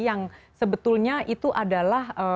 yang sebetulnya itu adalah